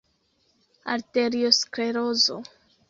Arteriosklerozo.